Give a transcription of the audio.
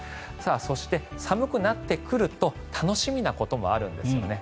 そして、寒くなってくると楽しみなこともあるんですよね。